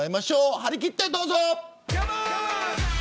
張り切って、どうぞ。